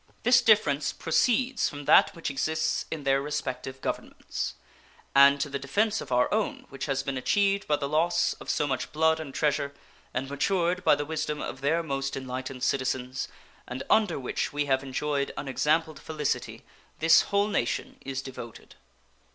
This difference proceeds from that which exists in their respective Governments; and to the defense of our own, which has been achieved by the loss of so much blood and treasure, and matured by the wisdom of their most enlightened citizens, and under which we have enjoyed unexampled felicity, this whole nation is devoted.